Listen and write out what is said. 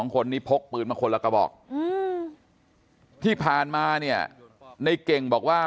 คนนี้พกปืนมาคนละกระบอกที่ผ่านมาเนี่ยในเก่งบอกว่า